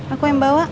aku yang bawa